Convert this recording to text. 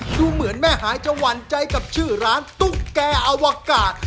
ดูเหมือนแม่หายจะหวั่นใจกับชื่อร้านตุ๊กแก่อวกาศ